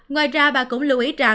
ngoài ra bà cũng lưu ý